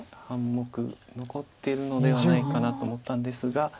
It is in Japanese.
半目残ってるのではないかなと思ったんですが。